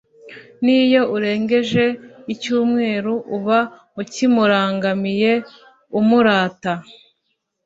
Niyo urengeje icyumweru Uba ukimurangamiye umurata